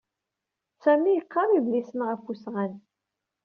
Sami yeqqar idlisen ɣef usɣan.